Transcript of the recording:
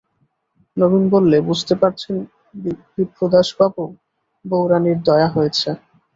নবীন বললে, বুঝতে পারছেন বিপ্রদাসবাবু, বউরানীর দয়া হয়েছে।